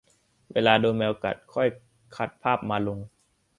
เวลาโดนแมวกัดค่อยคัดภาพมาลง ?